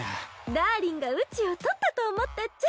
ダーリンがうちを取ったと思ったっちゃ。